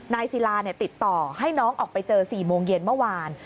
ศิลาติดต่อให้น้องออกไปเจอ๔โมงเย็นเมื่อวาน